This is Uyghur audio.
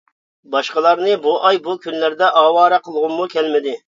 باشقىلارنى بۇ ئاي، بۇ كۈنلەردە ئاۋارە قىلغۇممۇ كەلمىدى.